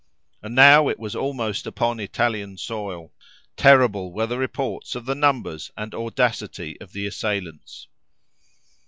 And now it was almost upon Italian soil. Terrible were the reports of the numbers and audacity of the assailants.